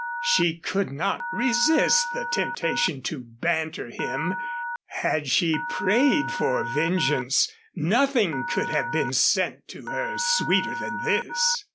She could not resist the temptation to banter him. Had she prayed for vengeance, nothing could have been sent to her sweeter than this.